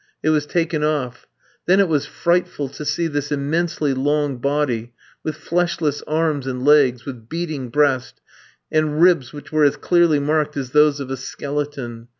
It was taken off. Then it was frightful to see this immensely long body, with fleshless arms and legs, with beating breast, and ribs which were as clearly marked as those of a skeleton.